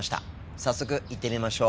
早速行ってみましょう。